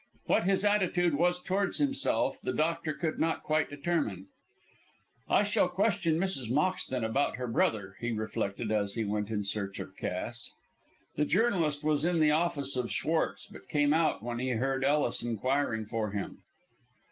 What his attitude was towards himself, the doctor could not quite determine. "I shall question Mrs. Moxton about her brother," he reflected, as he went in search of Cass. The journalist was in the office of Schwartz, but came out when he heard Ellis inquiring for him.